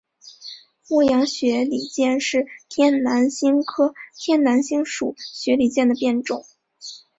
绥阳雪里见是天南星科天南星属雪里见的变种。